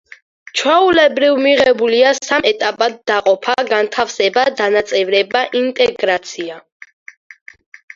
ჩვეულებრივ, მიღებულია სამ ეტაპად დაყოფა: განთავსება, დანაწევრება, ინტეგრაცია.